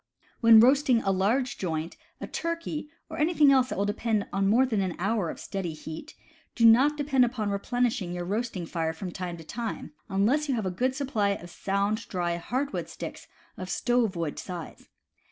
When roasting a large joint, a turkey, or anything else that will require more than an hour of steady heat, do not depend upon replenishing your roasting fire from time to time, unless you have a good supply of sound, dry hardwood sticks of stove wood size.